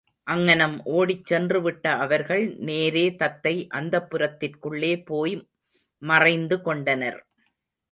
அங்ஙனம் ஓடிச் சென்றுவிட்ட அவர்கள், நேரே தத்தை அந்தப்புரத்திற்குள்ளே போய் மறைந்து கொண்டனர்.